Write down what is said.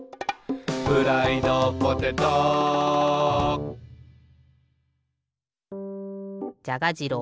「フライドポテト」じゃが次郎